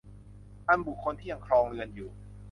อันบุคคลที่ยังครองเรือนอยู่